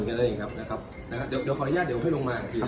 ได้อย่างนี้ครับนะครับเดี๋ยวขออนุญาตให้ลงมาอีกที